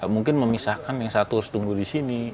mungkin memisahkan yang satu harus tunggu di sini